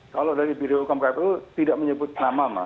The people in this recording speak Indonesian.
kalau dari biro hukum kpu tidak menyebut nama mas